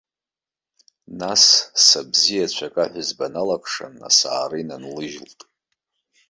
Нас, са бзиацәак аҳәызба налалыкшан, асаара инанлыжьылт.